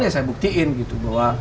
ya saya buktiin gitu bahwa